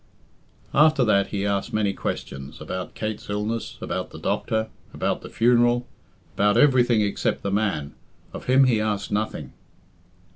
After that he asked many questions about Kate's illness, about the doctor, about the funeral, about everything except the man of him he asked nothing.